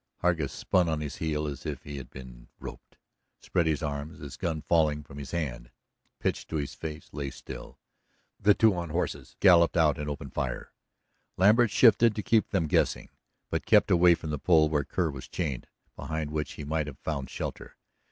Hargus spun on his heel as if he had been roped, spread his arms, his gun falling from his hand; pitched to his face, lay still. The two on horses galloped out and opened fire. Lambert shifted to keep them guessing, but kept away from the pole where Kerr was chained, behind which he might have found shelter.